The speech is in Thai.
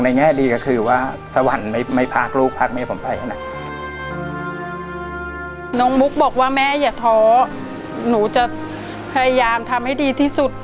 น้องมุกบอกว่าแม่อย่าท้อหนูจะพยายามทำให้ดีที่สุด